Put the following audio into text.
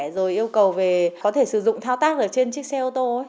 rồi yêu cầu về có thể sử dụng thao tác ở trên chiếc xe ô tô